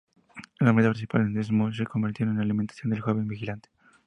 La meta principal de Desmond se convirtió en la eliminación del joven vigilante.